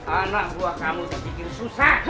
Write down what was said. anak gua kamu udah bikin susah